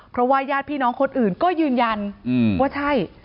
เพราะว่าญาติพี่น้องคนอื่นก็ยืนยันว่าใช่